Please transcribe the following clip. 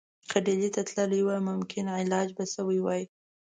که ډهلي ته تللی وای ممکن علاج به شوی وای.